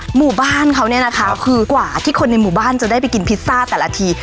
หมู่บ้านเขาเนี่ยนะคะคือกว่าที่คนในหมู่บ้านจะได้ไปกินพิซซ่าแต่ละที